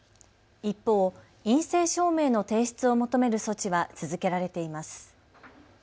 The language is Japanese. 一方、陰性証明の提出を求める措置は続けられています。